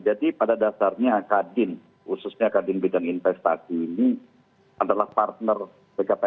jadi pada dasarnya akadin khususnya akadin bidang investasi ini adalah partner bkpm